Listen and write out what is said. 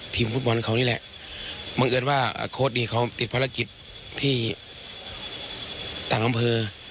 ฟุตบอลเขานี่แหละบังเอิญว่าโค้ดนี้เขาติดภารกิจที่ต่างอำเภอ